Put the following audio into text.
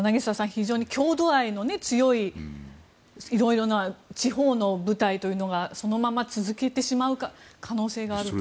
非常に郷土愛の強いいろいろな地方の部隊というのがそのまま続けてしまう可能性があると。